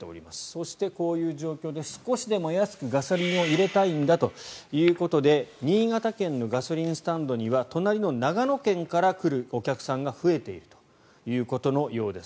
そしてこういう状況で少しでも安くガソリンを入れたいんだということで新潟県のガソリンスタンドには隣の長野県から来るお客さんが増えているということのようです。